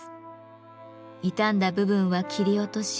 傷んだ部分は切り落とし